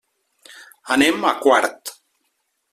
Anem a Quart.